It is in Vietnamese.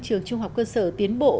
trường trung học cơ sở tiến bộ